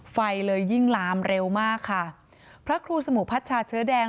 ไฟเลยยิ่งลามเร็วมากค่ะพระครูสมุพัชชาเชื้อแดง